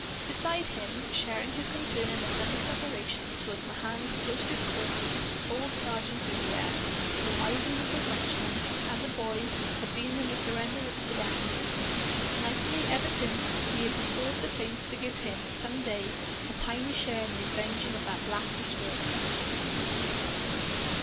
Beside him, sharing his concern in the supper preparations, was Mahan's closest crony, old Sergeant Vivier. The wizened little Frenchman, as a boy, had been in the surrender of Sedan. Nightly, ever since, he had besought the saints to give him, some day, a tiny share in the avenging of that black disgrace.